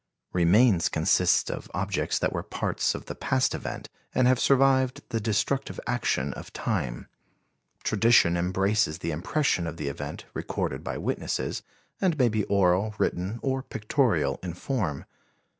Remains consist of objects that were parts of the past event, and have survived the destructive action of time; tradition embraces the impressions of the event recorded by witnesses, and may be oral, written or pictorial in form.